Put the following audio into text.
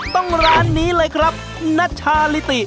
ต้องร้านนี้เลยครับนัชชาลิติ